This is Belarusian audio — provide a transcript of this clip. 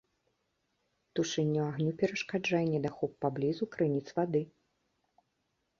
Тушэнню агню перашкаджае недахоп паблізу крыніц вады.